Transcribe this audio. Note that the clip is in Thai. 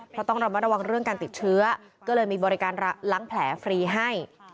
เพราะต้องระมัดระวังเรื่องการติดเชื้อก็เลยมีบริการล้างแผลฟรีให้